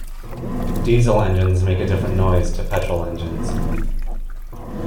Diesel engines make a different noise to petrol engines.